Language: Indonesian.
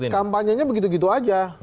kampanyenya begitu begitu aja